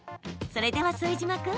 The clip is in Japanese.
それでは副島君。